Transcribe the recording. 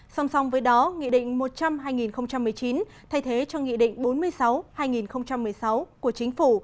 song song với đó nghị định một trăm linh hai nghìn một mươi chín thay thế cho nghị định bốn mươi sáu hai nghìn một mươi sáu của chính phủ